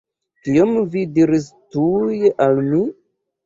Kion vi diris tuj al mi?